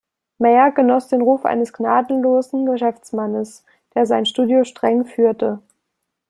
Mayer genoss den Ruf eines gnadenlosen Geschäftsmannes, der sein Studio streng führte.